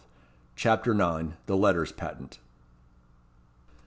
CHAPTER IX. The Letters Patent.